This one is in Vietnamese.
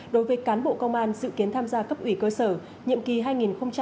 đối với cán bộ công an dự kiến tham gia cấp ủy cơ sở nhiệm kỳ hai nghìn hai mươi hai nghìn hai mươi năm